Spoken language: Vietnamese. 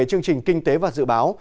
chương trình kinh tế và dự báo